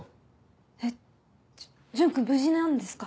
えっ順君無事なんですか？